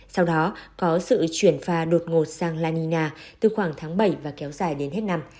sau đó có sự chuyển pha đột ngột sang la nina từ khoảng tháng bảy và kéo dài đến hết năm